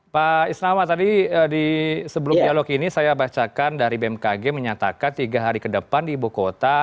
pak isnama tadi sebelum dialog ini saya bacakan dari bmkg menyatakan tiga hari ke depan di ibu kota